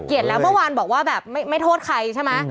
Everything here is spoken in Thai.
แล้วเมื่อวานบอกว่าแบบไม่โทษใครใช่ไหม